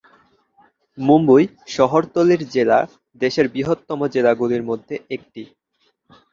মুম্বই শহরতলির জেলা দেশের বৃহত্তম জেলাগুলির মধ্যে একটি।